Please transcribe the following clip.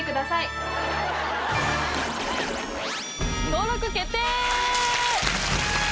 登録決定！